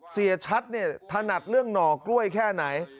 เสียชัดเนี่ยถนัดเรื่องหน่อกล้วยแค่ไหน